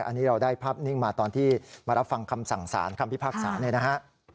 อันนี้เราได้ภาพนิ่งมาตอนที่มารับฟังคำสั่งสารคำพิพากษาเนี่ยนะฮะ